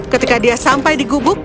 ketika dia sampai di gubuk